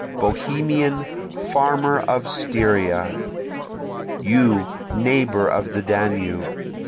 Bohemian! farmer of Styria! You neighbor of the Danube!